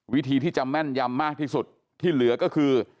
วิธีที่จะแม่นยำมากที่สุดที่เหลือก็คือ